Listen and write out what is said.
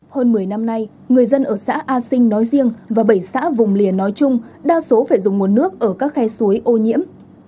hơn một mươi năm nay người dân ở xã a sinh nói riêng và bảy xã vùng lìa nói chung đa số phải dùng nguồn nước ở các khe suối ô nhiễm